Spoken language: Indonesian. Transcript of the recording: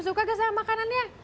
suka nggak sama makanannya